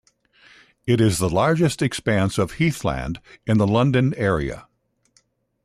It is the largest expanse of heathland in the London area.